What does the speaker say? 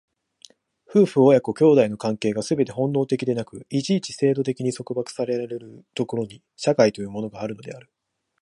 夫婦親子兄弟の関係がすべて本能的でなく、一々制度的に束縛せられる所に、社会というものがあるのである。